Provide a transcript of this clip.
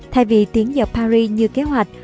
thay vì tiến vào paris như kế hoạch